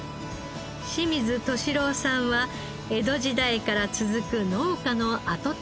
清水俊朗さんは江戸時代から続く農家の跡取り息子。